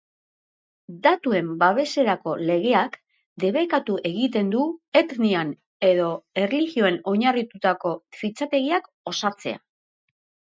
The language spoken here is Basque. Datuen babeserako legeak debekatu egiten du etnian edo erlijioan oinarritutako fitxategiak osatzea.